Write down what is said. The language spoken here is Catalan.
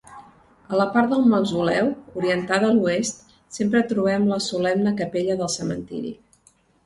A part del mausoleu, orientada a l'oest trobem la solemne capella del cementiri.